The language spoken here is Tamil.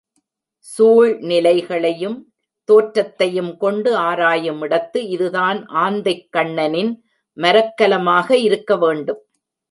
சூழ்நிலைகளையும் தோற்றத்தையும் கொண்டு ஆராயுமிடத்து இதுதான் ஆந்தைக்கண்ணனின் மரக்கலமாக இருக்க வேண்டும்.